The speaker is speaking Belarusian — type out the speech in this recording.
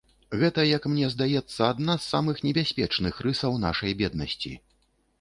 Гэта, як мне здаецца, адна з самых небяспечных рысаў нашай беднасці.